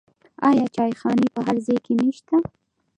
آیا چایخانې په هر ځای کې نشته؟